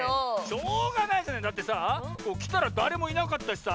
しょうがないじゃないだってさきたらだれもいなかったしさ